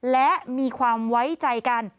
และมีความไว้ใจกัน